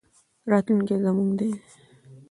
راتلونکی زموږ دی.